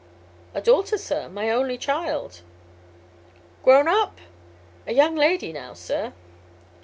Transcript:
"A daughter, sir. My only child. "Grown up?" "A young lady now, sir."